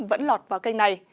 vẫn lọt vào kênh này